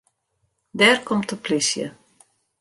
Dêr komt de polysje.